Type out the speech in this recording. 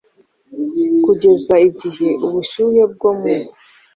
Kugeza igihe ubushyuhe bwo mu